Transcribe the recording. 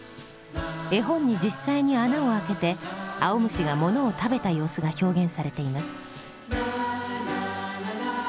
絵本に実際に穴をあけて青虫がものを食べた様子が表現されています。